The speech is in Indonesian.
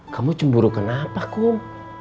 kamu cemburu kenapa kum